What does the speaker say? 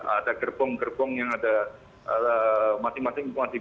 ada gerbong gerbong yang ada masing masing punya gerbong